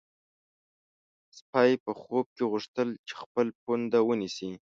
سپی په خوب کې غوښتل چې خپل پونده ونیسي.